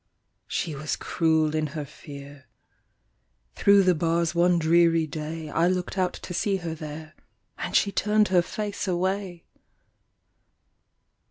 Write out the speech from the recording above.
She was cruel in her fear; Through the bars one dreary day, I looked out to see her there, And she turned her face away!